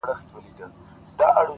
o سیاه پوسي ده؛ مرگ خو یې زوی دی؛